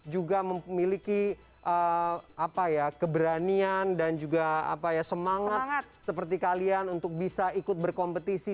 juga memiliki keberanian dan juga semangat seperti kalian untuk bisa ikut berkompetisi